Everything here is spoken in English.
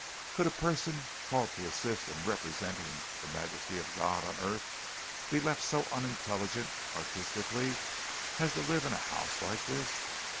Could a person called to assist in representing the majesty of God on earth be left so unintelligent artistically as to live in a house like this?